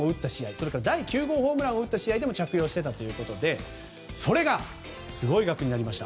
それから第９号ホームランを打った試合でも着用していたんですがそれがすごい額になりました。